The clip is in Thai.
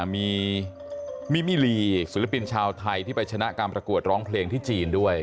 มีมิลีศิลปินชาวไทยที่ไปชนะการประกวดร้องเพลงที่จีนด้วย